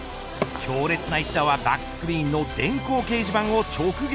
強烈な一打はバックスクリーンの電光掲示板を直撃。